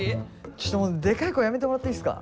ちょっとでかい声やめてもらっていいっすか？